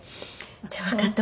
「じゃあわかった。